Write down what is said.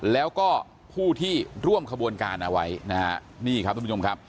แล้วก็ผู้ที่ร่วมขบวนการเอาไว้นะฮะนี่ครับทุกผู้ชมครับ